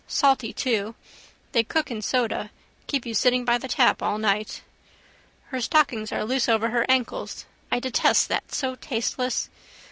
Salty too. They cook in soda. Keep you sitting by the tap all night. Her stockings are loose over her ankles. I detest that: so tasteless.